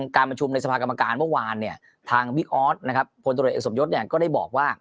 การประชุมในสภากรรมการเมื่อวานเนี่ยทางบิ๊กออสนะครับพลตรวจเอกสมยศก็ได้บอกว่า